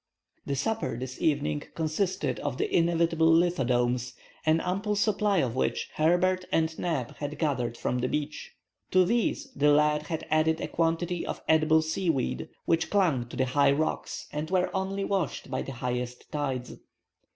The supper this evening consisted of the inevitable lithodomes, an ample supply of which Herbert and Neb had gathered from the beach. To these the lad had added a quantity of edible seaweed which clung to the high rocks and were only washed by the highest tides.